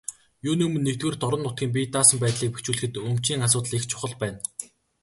Юуны өмнө, нэгдүгээрт, орон нутгийн бие даасан байдлыг бэхжүүлэхэд өмчийн асуудал их чухал байна.